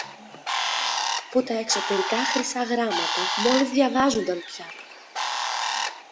που τα εξωτερικά χρυσά γράμματα μόλις διαβάζουνταν πια.